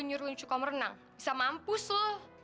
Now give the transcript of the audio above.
nyuruh lo nyuci kalau merenang bisa mampus lo